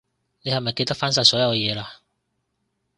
你係咪記得返晒所有嘢喇？